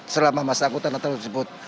selama masa angkutan natal tersebut